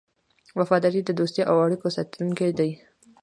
وفاداري د دوستۍ او اړیکو ساتونکی دی.